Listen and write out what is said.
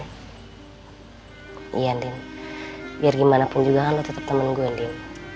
iya din biar gimana pun juga kan lo tetep temen gue din